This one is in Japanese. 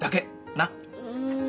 なっ。